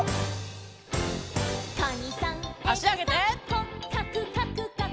「こっかくかくかく」